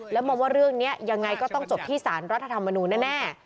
แล้วมองว่าเรื่องนี้ยังไงก็ต้องจบที่สารรัฐธรรมนูลแน่